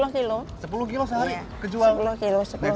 sepuluh kg sehari kejualan